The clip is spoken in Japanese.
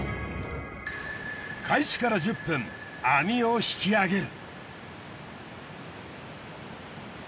開始から１０分網を引き上げる。